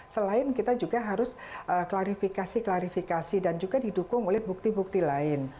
selain kita juga harus klarifikasi klarifikasi dan juga didukung oleh bukti bukti lain